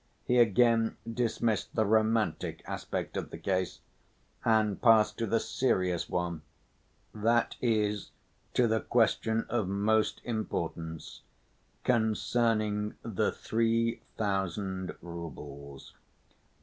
He again dismissed the "romantic" aspect of the case and passed to the serious one, that is, to the question of most importance, concerning the three thousand roubles.